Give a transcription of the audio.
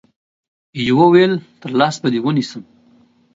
يوه ويل تر لاس به دي ونيسم